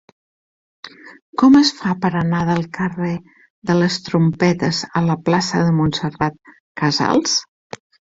Com es fa per anar del carrer de les Trompetes a la plaça de Montserrat Casals?